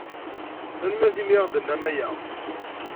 Tanemmirt i mi ɣ-d-tennam aya.